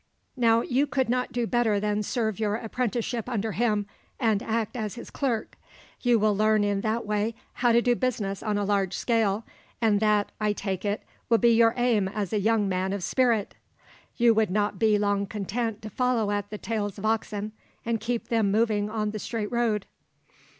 Now you could not do better than serve your apprenticeship under him, and act as his clerk. You will learn in that way how to do business on a large scale, and that, I take it, will be your aim as a young man of spirit. You would not be long content to follow at the tails of oxen, and keep them moving on the straight road."